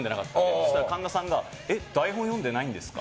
そしたら、神田さんがえ、台本読んでないんですか？